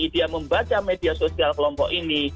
dia membaca media sosial kelompok ini